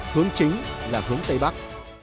hướng chính là hướng tây bắc